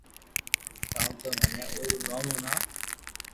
ڪاو تو منو او رو نوم ھڻَاوُ